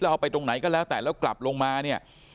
เอาไปตรงไหนก็แล้วแต่แล้วกลับลงมาเนี่ย